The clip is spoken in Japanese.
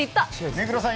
目黒さん